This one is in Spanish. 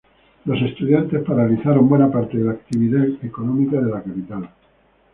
Los estudiantes paralizaron buena parte de la actividad económica de la capital.